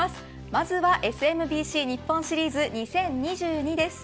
まずはＳＢＭＣ日本シリーズ２０２２です。